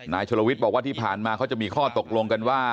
ชลวิทย์บอกว่าที่ผ่านมาเขาจะมีข้อตกลงกันว่า